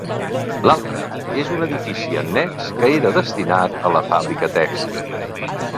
L'altra és un edifici annex que era destinat a la fàbrica tèxtil.